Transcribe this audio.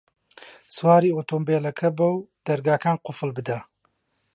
سواری ئۆتۆمبێلەکە بە و دەرگاکان قوفڵ بدە.